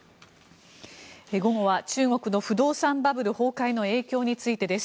午後は中国の不動産バブル崩壊の影響についてです。